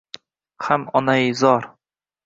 Ham onaizor